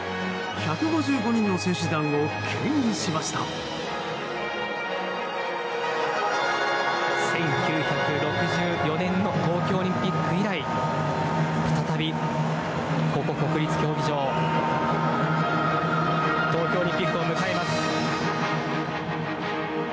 １９６４年の東京オリンピック以来再び、ここ国立競技場東京オリンピックを迎えます。